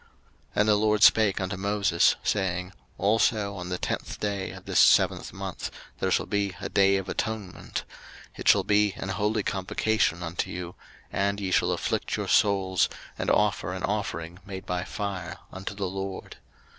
03:023:026 And the LORD spake unto Moses, saying, 03:023:027 Also on the tenth day of this seventh month there shall be a day of atonement: it shall be an holy convocation unto you; and ye shall afflict your souls, and offer an offering made by fire unto the LORD.